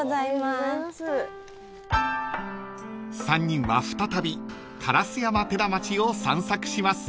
［３人は再び烏山寺町を散策します］